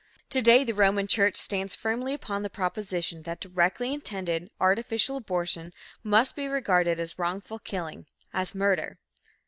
To day, the Roman church stands firmly upon the proposition that "directly intended, artificial abortion must be regarded as wrongful killing, as murder."